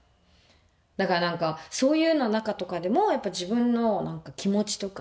だから何かそういうのの中とかでも自分の気持ちとか。